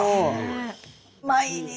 毎日！